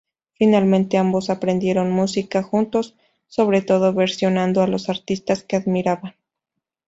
Finalmente ambos aprendieron música juntos, sobre todo versionando a los artistas que admiraban.